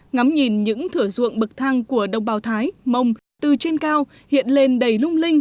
ngắm nhìn những thửa ruộng bậc thang của đồng bào thái mông từ trên cao hiện lên đầy lung linh